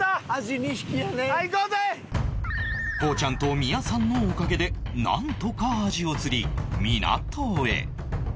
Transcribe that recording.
コウちゃんと宮さんのおかげでなんとかアジを釣り港へ